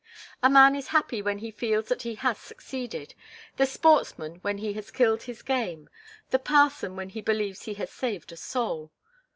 A man is happy when he feels that he has succeeded the sportsman when he has killed his game, the parson when he believes he has saved a soul.